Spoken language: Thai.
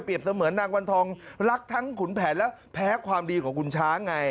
มันเปลี่ยบเสมือนนางวันทองรักทั้งขุนแผนแล้วแพ้ความดีของขุนช้าไง